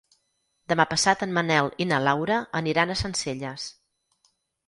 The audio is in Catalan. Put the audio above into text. Demà passat en Manel i na Laura aniran a Sencelles.